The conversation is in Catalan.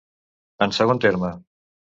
En segon terme.